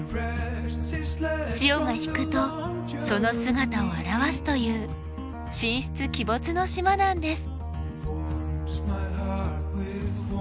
潮が引くとその姿を現すという神出鬼没の島なんです。